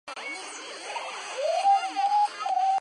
孔布龙德。